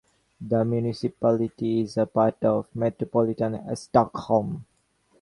The municipality is a part of Metropolitan Stockholm.